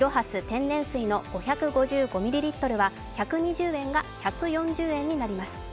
天然水の５５５ミリリットルは１２０円が１４０円になります。